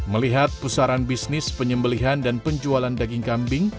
melihat pusaran bisnis penyembelihan dan penjualan daging kambing